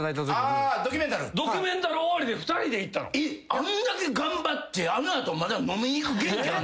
あんだけ頑張ってあの後まだ飲みに行く元気あん